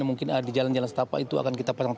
mungkin di jalan jalan setapak itu akan kita pasang